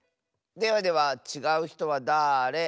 ではではちがうひとはだれ？